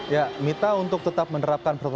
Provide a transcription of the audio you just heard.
ya mita untuk tetap menerapkan protokol